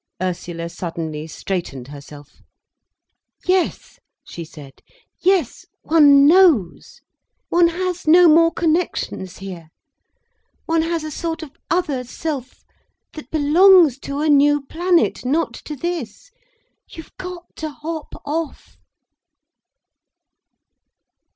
Ursula suddenly straightened herself. "Yes," she said. "Yes—one knows. One has no more connections here. One has a sort of other self, that belongs to a new planet, not to this. You've got to hop off."